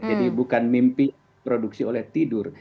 jadi bukan mimpi produksi oleh tidur